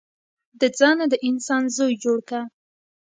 د ځانه د انسان زوی جوړ که.